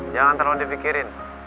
jangan terlalu dipikirin